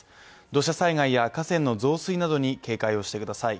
土砂災害や河川の増水などに警戒をしてください。